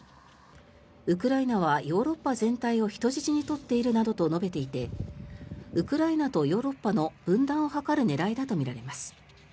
ウクライナはヨーロッパ全体を人質に取っているなどと述べていてウクライナとヨーロッパの分断を図る狙いだとみられます。